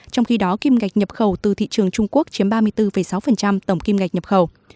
trong khi đó kim ngạch nhập khẩu từ thị trường trung quốc chiếm ba mươi bốn sáu tổng kim ngạch nhập khẩu